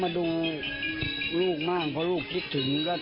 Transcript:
สบายดีไหมแล้วคิดถึงไหม